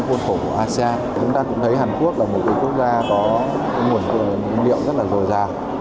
khu vực của asia chúng ta cũng thấy hàn quốc là một quốc gia có nguồn nguyên liệu rất là dồi dàng